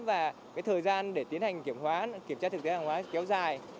và thời gian để tiến hành kiểm tra thực tế hàng hóa kéo dài